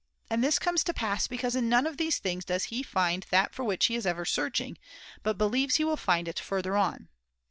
And this comes to pass because in none of these things does he find that for which he is ever searching, but believes he will find it further on.